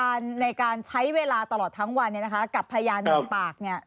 วันนี้ในการใช้เวลาตลอดทั้งวันกับพยานนมปากเนี่ย